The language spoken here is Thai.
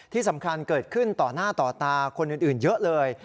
ที่สำคัญเกิดขึ้นต่อหน้าต่อตาคนอื่นเยอะเลย